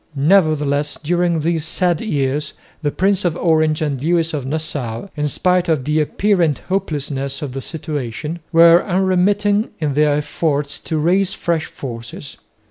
Nevertheless during these sad years the Prince of Orange and Lewis of Nassau, in spite of the apparent hopelessness of the situation, were unremitting in their efforts to raise fresh forces.